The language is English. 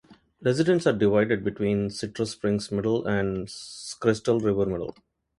Residents are divided between Citrus Springs Middle and Crystal River Middle.